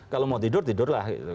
kalau mau tidur tidur lah gitu